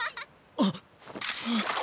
あっ！